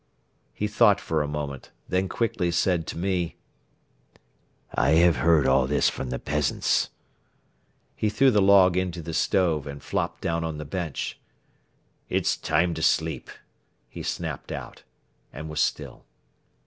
He thought for a moment, then quickly said to me: "I have heard all this from the peasants." He threw the log into the stove and flopped down on the bench. "It's time to sleep," he snapped out, and was still.